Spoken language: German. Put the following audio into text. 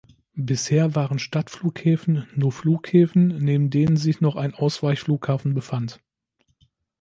Bisher waren Stadtflughäfen nur Flughäfen, neben denen sich noch ein Ausweichflughafen befand.